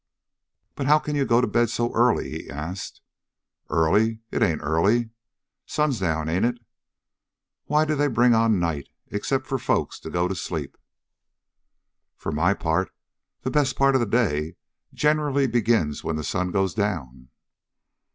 "But how can you go to bed so early?" he asked. "Early? It ain't early. Sun's down, ain't it? Why do they bring on night, except for folks to go to sleep?" "For my part the best part of the day generally begins when the sun goes down."